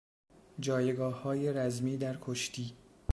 جایگاههای رزمی در کشتی